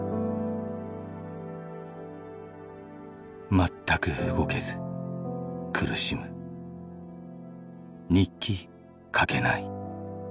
「全く動けず苦しむ」「日記書けない」